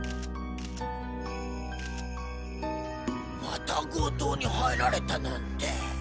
また強盗に入られたなんて。